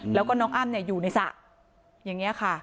แล้วก็น้องอ้ำอยู่ในสระอย่างนี้ค่ะ